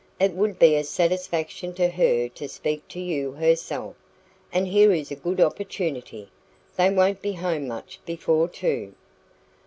It would be a satisfaction to her to speak to you herself, and here is a good opportunity. They won't be home much before two."